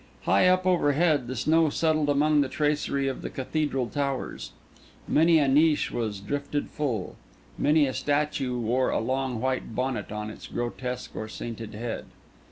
High up overhead the snow settled among the tracery of the cathedral towers. Many a niche was drifted full; many a statue wore a long white bonnet on its grotesque or sainted head.